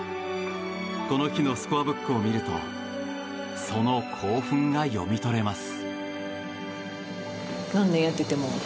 この日のスコアブックを見るとその興奮が読み取れます。